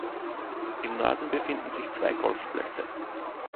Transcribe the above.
Im Norden befinden sich zwei Golfplätze.